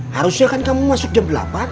harusnya kan kamu masuk jam delapan